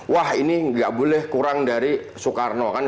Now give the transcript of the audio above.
wah ini nggak boleh kurang dari soekarno kan